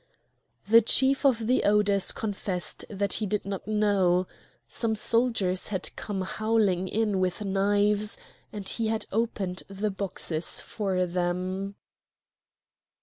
The Chief of the Odours confessed that he did not know; some soldiers had come howling in with knives and he had opened the boxes for them.